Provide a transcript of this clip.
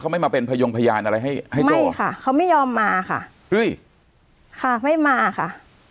เขาไม่มาเป็นพยงพยายามย่างอะไรให้ไม่ค่ะไม่ยอมมาค่ะไม่มาค่ะ